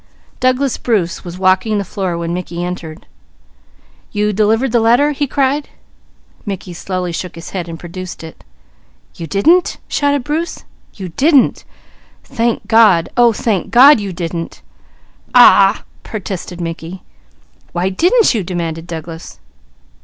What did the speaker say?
Douglas was walking the floor as Mickey entered. "You delivered the letter?" he cried. Mickey shook his head, producing the envelope. "You didn't!" shouted Bruce. "You didn't! Thank God! Oh, thank God you didn't!" "Aw w ah!" protested Mickey. "Why didn't you?" demanded Douglas.